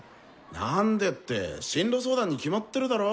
なんでって進路相談に決まってるだろ。